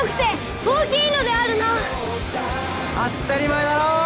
当ったり前だろ！